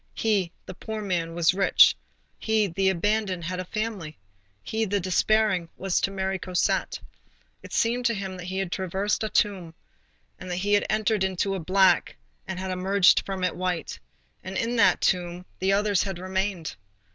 He, the poor man, was rich; he, the abandoned, had a family; he, the despairing, was to marry Cosette. It seemed to him that he had traversed a tomb, and that he had entered into it black and had emerged from it white, and in that tomb the others had remained.